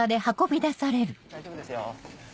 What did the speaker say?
大丈夫ですよ。